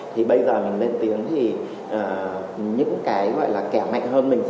thì bây giờ mình lên tiếng thì những cái gọi là kẻ mạnh hơn mình